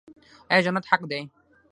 آیا جنت حق دی؟